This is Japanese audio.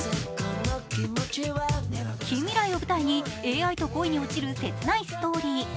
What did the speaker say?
近未来を舞台にＡＩと恋に落ちる切ないストーリー。